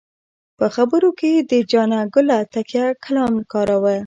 په خبرو کې یې د جانه ګله تکیه کلام کاراوه.